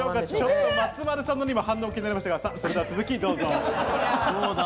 松丸さんの反応が気になりましたが、それでは続きどうぞ。